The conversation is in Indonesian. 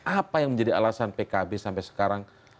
apa yang menjadi alasan pkb sampai sekarang